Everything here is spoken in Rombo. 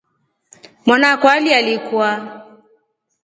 Mwana akwa alialikwa.